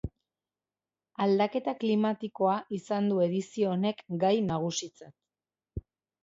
Aldaketa klimatikoa izan du edizio honek gai nagusitzat.